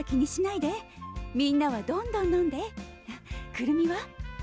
くるみは？